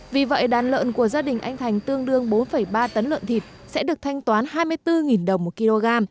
vì vậy đàn lợn của gia đình anh thành tương đương bốn ba tấn lợn thịt sẽ được thanh toán hai mươi bốn đồng một kg